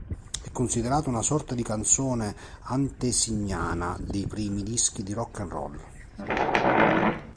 È considerata una sorta di canzone antesignana dei primi dischi di rock and roll.